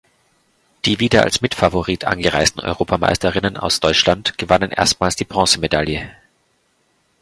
Die wieder als Mitfavorit angereisten Europameisterinnen aus Deutschland gewannen erstmals die Bronzemedaille.